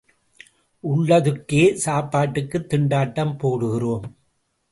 உள்ளதுக்கே சாப்பாட்டுக்குத் திண்டாட்டம் போடுகிறோம்.